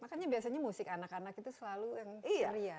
makanya biasanya musik anak anak itu selalu yang iya